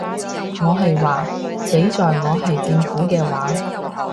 我係話，畀在我係政府嘅話